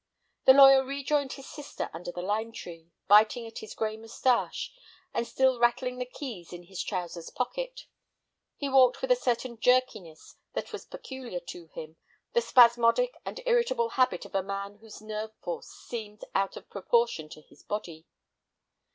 The lawyer rejoined his sister under the lime tree, biting at his gray mustache, and still rattling the keys in his trousers pocket. He walked with a certain jerkiness that was peculiar to him, the spasmodic and irritable habit of a man whose nerve force seemed out of proportion to his body.